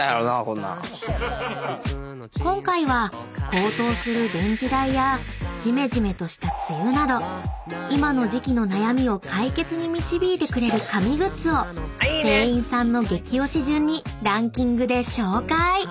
［今回は高騰する電気代やジメジメとした梅雨など今の時季の悩みを解決に導いてくれる神グッズを店員さんの激オシ順にランキングで紹介］